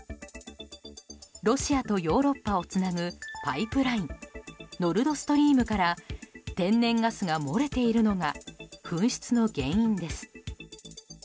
ロシアとヨーロッパをつなぐパイプラインノルドストリームから天然ガスが漏れているのが噴出の原因です。